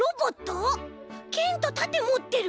けんとたてもってる。